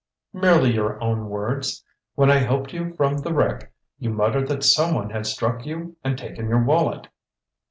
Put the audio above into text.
"Merely your own words. When I helped you from the wreck you muttered that someone had struck you and taken your wallet."